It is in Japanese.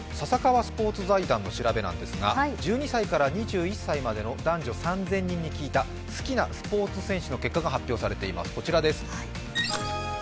スポ−ツ財団の調べなんですが、１２歳から２１歳までの男女３０００人に聞いた好きなスポーツ選手の結果が発表されています、こちらです。